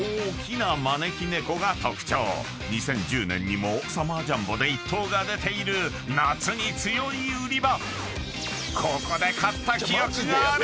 ［２０１０年にもサマージャンボで１等が出ている夏に強い売り場！］